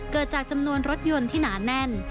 เกิดจากจำนวนรถยนต์ที่หนาแน่น